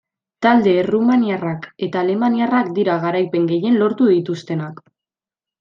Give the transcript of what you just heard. Talde errumaniarrak eta alemaniarrak dira garaipen gehien lortu dituztenak.